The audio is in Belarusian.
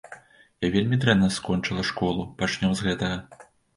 Я вельмі дрэнна скончыла школу, пачнём з гэтага.